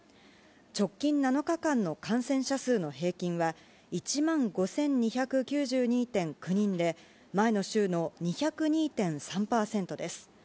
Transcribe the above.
直近７日間の感染者数の平均は１万５２９２．９人で、前の週の２０２．３％です。